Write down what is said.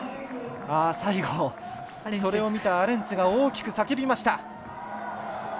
最後、それを見たアレンツが大きく叫びました。